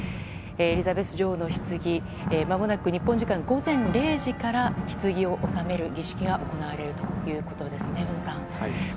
エリザベス女王のひつぎまもなく日本時間午前０時からひつぎを納める儀式が行われるということですね、小野さん。